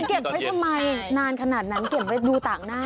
เก็บไว้ทำไมนานขนาดนั้นเก็บไว้ดูต่างหน้า